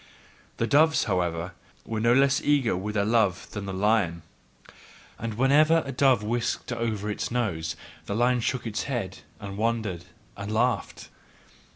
The doves, however, were no less eager with their love than the lion; and whenever a dove whisked over its nose, the lion shook its head and wondered and laughed.